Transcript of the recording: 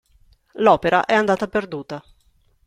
L'opera è andata perduta.